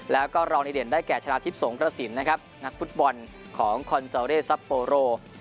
แล้วก็รองดีเด่นได้แก่ชนะทิพย์สงกระสินนะครับนักฟุตบอลของคอนซาเร่ซัปโปโร